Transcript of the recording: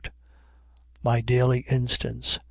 My daily instance.